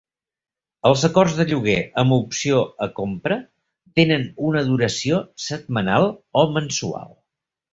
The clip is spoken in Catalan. Els acords de lloguer amb opció a compra tenen una duració setmanal o mensual.